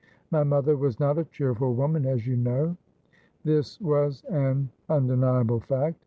My mother was not a cheerful woman, as you know.' This was an undeniable fact.